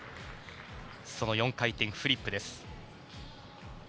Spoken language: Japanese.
その４回転フリップです。